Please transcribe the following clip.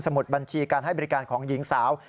มุดบัญชีการให้บริการของหญิงสาว